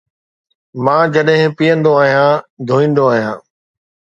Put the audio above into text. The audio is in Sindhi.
مان جڏهن پيئندو آهيان ڌوئيندو آهيان